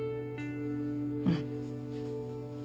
うん。